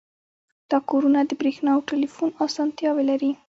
دا کورونه د بریښنا او ټیلیفون اسانتیاوې لري